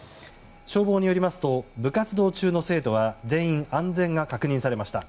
消防によりますと部活動中の生徒は全員安全が確認されました。